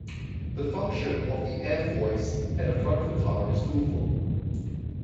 The function of the airfoils at the front of the car is twofold.